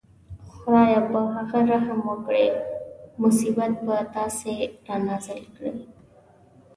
خدای په هغه رحم وکړي مصیبت په تاسې رانازل کړي.